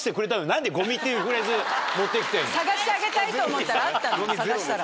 探してあげたいと思ったらあったの探したら。